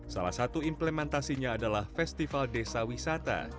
salah satu implementasinya adalah festival desa wisata